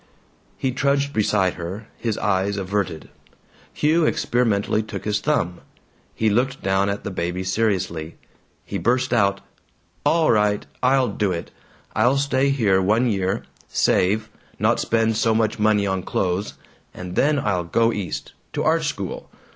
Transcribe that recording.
He trudged beside her, his eyes averted. Hugh experimentally took his thumb. He looked down at the baby seriously. He burst out, "All right. I'll do it. I'll stay here one year. Save. Not spend so much money on clothes. And then I'll go East, to art school.